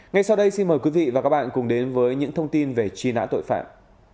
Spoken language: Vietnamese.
ngay sau đây xin mời quý vị và các bạn cùng đến với những thông tin về truy nã tội phạm